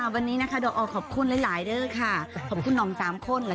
ค่ะวันนี้นะคะขอบคุณหลายด้วยค่ะขอบคุณน้องสามคน